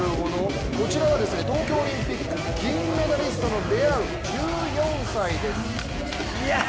こちらは東京オリンピック銀メダリストのレアウ、１４歳です。